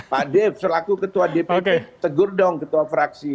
pak dev selaku ketua dpp tegur dong ketua fraksi